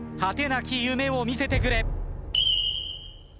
なき夢を見せてくれ。